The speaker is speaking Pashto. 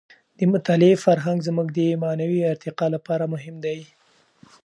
د مطالعې فرهنګ زموږ د معنوي ارتقاع لپاره مهم دی.